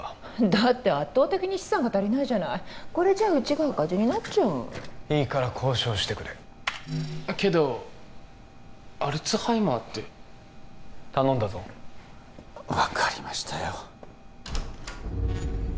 だって圧倒的に資産が足りないじゃないこれじゃうちが赤字になっちゃういいから交渉してくれけどアルツハイマーって頼んだぞ分かりましたよ